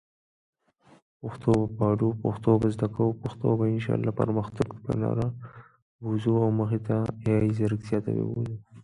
Herculaneum City Park, located on South Joachim Avenue, is the largest park in Herculaneum.